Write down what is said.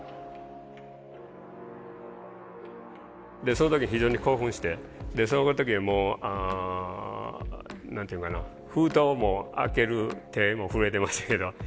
その時非常に興奮してその時もうあ何て言うんかな封筒を開ける手も震えてましたけど。